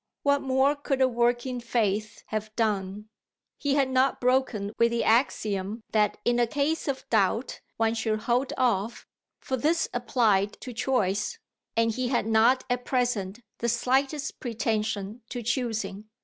What more could a working faith have done? He had not broken with the axiom that in a case of doubt one should hold off, for this applied to choice, and he had not at present the slightest pretension to choosing.